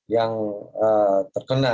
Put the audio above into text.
yang ee terkena